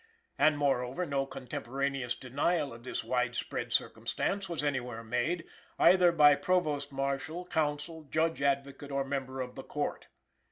And, moreover, no contemporaneous denial of this widespread circumstance was anywhere made, either by Provost Marshal, Counsel, Judge Advocate or member of the Court.